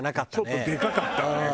ちょっとでかかったわね